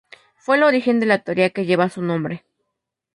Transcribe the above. Fue el origen de la teoría que lleva su nombre.